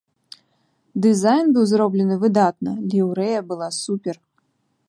Дызайн быў зроблены выдатна, ліўрэя была супер!